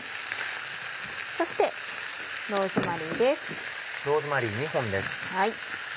そしてローズマリーです。